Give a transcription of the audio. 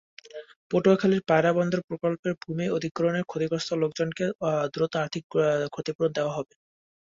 পটুয়াখালীর পায়রা বন্দর প্রকল্পের ভূমি অধিগ্রহণে ক্ষতিগ্রস্ত লোকজনকে দ্রুত আর্থিক ক্ষতিপূরণ দেওয়া হবে।